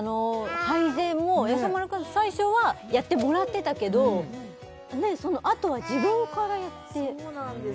配膳もやさ丸くん最初はやってもらってたけどそのあとは自分からやってねえそうなんです